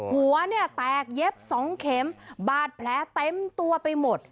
หัวเนี่ยแตกเย็บสองเข็มบาดแผลเต็มตัวไปหมด